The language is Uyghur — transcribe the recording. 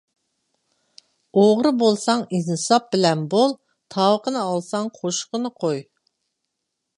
ئوغرى بولساڭ ئىنساپ بىلەن بول، تاۋىقىنى ئالساڭ قوشۇقىنى قوي.